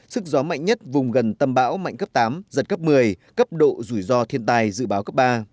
sức gió mạnh nhất vùng gần tâm bão mạnh cấp tám giật cấp một mươi cấp độ rủi ro thiên tài dự báo cấp ba